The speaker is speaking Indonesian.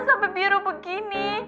sampai biru begini